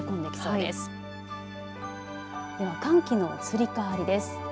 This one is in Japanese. では、寒気の移り変わりです。